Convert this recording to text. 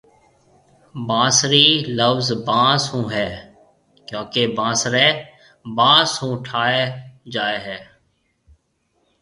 بانسري لفظ بانس ھونھيَََ ڪيونڪي بانسري بانس ھونٺاھيَََ جاوي ھيَََ